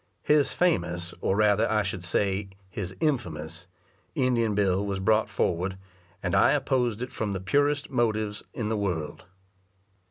His famous, or rather I should say his in famous, Indian bill was brought forward, and I opposed it from the purest motives in the world.